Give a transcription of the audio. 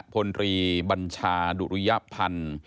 พลตรีบัญชาดุริยพันธ์